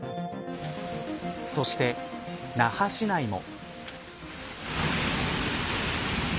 そして、那覇市内も。